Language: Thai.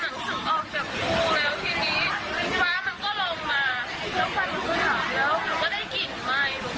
หนูก็เลยเรียกพ่อพ่อหนูก็เลยเรียกพ่อมาแล้วตอนแรกก็หาหาหา